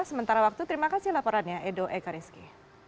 sementara waktu terima kasih laporannya edo eka rizky